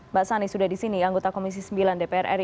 mbak sani sudah disini anggota komisi sembilan dpr ri